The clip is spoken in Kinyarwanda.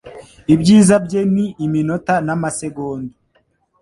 Ibyiza bye ni iminota n amasegonda